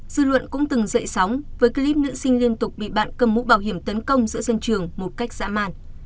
dư luận cũng từng dậy sóng với clip nữ sinh liên tục bị bạn cầm mũ bảo hiểm tấn công giữa sân trường một cách dã màn